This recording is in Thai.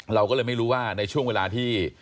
เราก็เลยไม่รู้ว่าในช่วงเวลาที่